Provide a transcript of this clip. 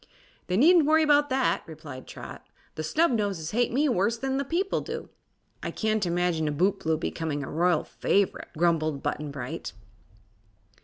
"They needn't worry 'bout that," replied Trot; "the Snubnoses hate me worse than the people do." "I can't imagine a bootblue becoming a royal favorite," grumbled Button Bright.